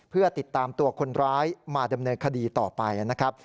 เพื่อติดตามตัวคนร้ายมาดำเนินคดีต่อไปนะครับ